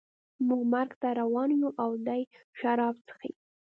موږ مرګ ته روان یو او دی شراب څښي